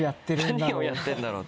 何をやってるんだろうって。